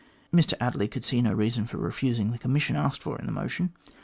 Mr Adderley could see no reason for refusing the commission asked for in the motion.